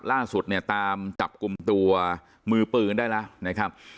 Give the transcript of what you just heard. ล่าสุดเนี่ยตามจับกลุ่มตัวมือปืนได้แล้วนะครับ